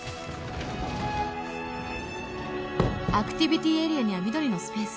「アクティビティエリアには緑のスペースも」